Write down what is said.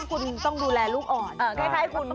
คุณต้องดูแลลูกอ่อน